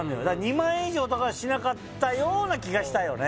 ２万円以上とかしなかったような気がしたよね